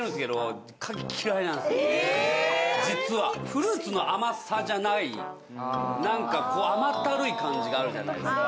フルーツの甘さじゃないなんかこう甘ったるい感じがあるじゃないですか。